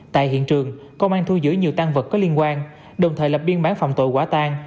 tại hiện trường công an thu giữ nhiều tăng vật có liên quan đồng thời lập biên bản phòng tội quả tan